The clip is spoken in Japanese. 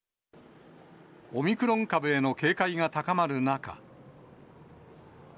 オミクロン株への警戒が高まる中。